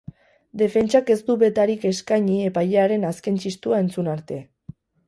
Defentsak ez du betarik eskaini epailearen azken txistua entzun arte.